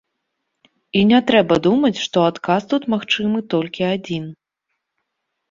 І не трэба думаць, што адказ тут магчымы толькі адзін.